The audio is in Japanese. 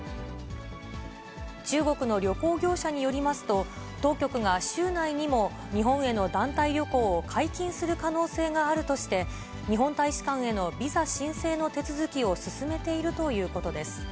中国の旅行業者によりますと、当局が週内にも日本への団体旅行を解禁する可能性があるとして、日本大使館へのビザ申請の手続きを進めているということです。